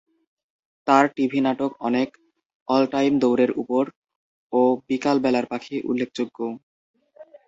তাঁর টিভি নাটক অনেক, "অল টাইম দৌড়ের উপর" ও "বিকাল বেলার পাখি" উল্লেখযোগ্য।